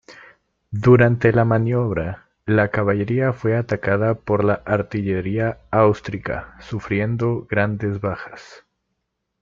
Durante la maniobra, la caballería fue atacada por la artillería austriaca, sufriendo grandes bajas.